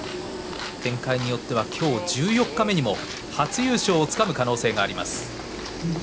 展開によっては今日十四日目にも初優勝をつかむ可能性があります。